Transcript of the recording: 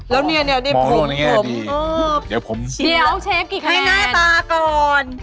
แล้วนี่ผมอื้อเดี๋ยวผมชิ้นแล้วให้หน้าตาก่อน